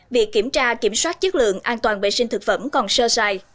việc kiểm tra kiểm soát chất lượng an toàn vệ sinh thực phẩm còn sơ sai